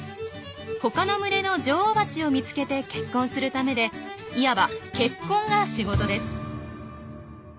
他の群れの女王バチを見つけて結婚するためでいわば結婚が仕事です。